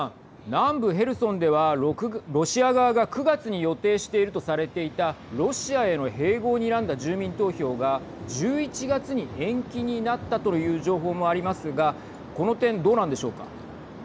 南部ヘルソンではロシア側が９月に予定しているとされていたロシアへの併合をにらんだ住民投票が１１月に延期になったという情報もありますがはい。